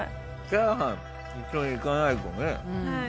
チャーハン一緒にいかないとね。